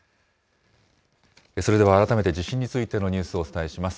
それでは、改めて地震についてのニュースをお伝えします。